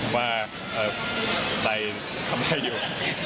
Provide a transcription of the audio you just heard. ว่าใบทำได้อยู่